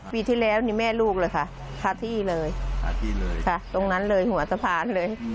ปีที่แล้วเนี่ยแม่ลูกเลยค่ะทาที่เลยตรงนั้นเลยหัวสะพานเลย